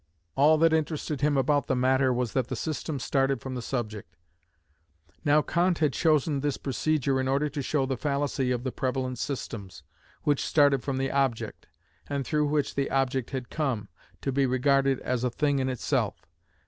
All that interested him about the matter was that the system started from the subject. Now Kant had chosen this procedure in order to show the fallacy of the prevalent systems, which started from the object, and through which the object had come, to be regarded as a thing in itself.